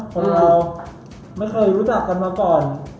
คนเราไม่เคยรู้จักกันมาก่อน